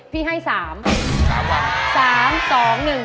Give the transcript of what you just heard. พี่ให้๓๓วัน